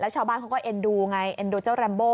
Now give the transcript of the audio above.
ชาวบ้านเขาก็เอ็นดูไงเอ็นดูเจ้าแรมโบ